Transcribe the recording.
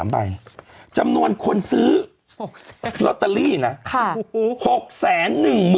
๒๔๖๗๒๓ใบจำนวนคนซื้อลอตเตอรี่นะ๖๑๒๑๔๑คน